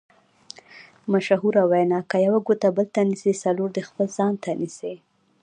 مشهوره وینا: که یوه ګوته بل ته نیسې څلور دې خپل ځان ته نیسې.